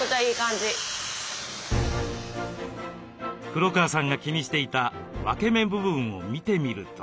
黒川さんが気にしていた分け目部分を見てみると。